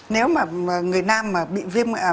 nếu mà người nam mà bị viêm gan